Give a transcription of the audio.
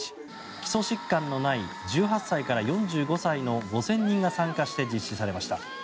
基礎疾患のない１８歳から４５歳の５０００人が参加して実施されました。